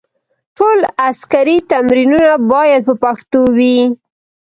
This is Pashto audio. ټول عسکري تمرینونه باید په پښتو وي.